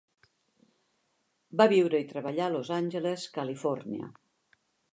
Va viure i treballar a Los Angeles, Califòrnia.